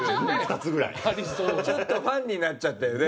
ちょっとファンになっちゃったよね。